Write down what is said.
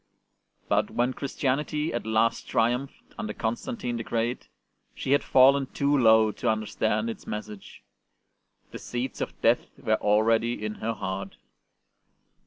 But when Christianity at last triumphed, under Constantine the Great, she had fallen too low to understand its message; the seeds of death were already in her heart.